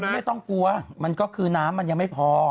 ไม่ต้องกลัวมันก็คือน้ำมันยังไม่พอ